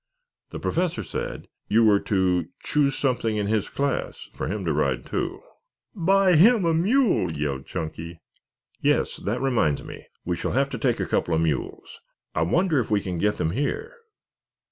"The Professor said you were to choose something in his class for him to ride, too." "Buy him a mule!" yelled Chunky. "Yes, that reminds me. We shall have to take a couple of mules. I wonder if we can get them here.